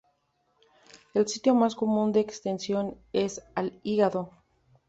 El sitio más común de extensión es al hígado.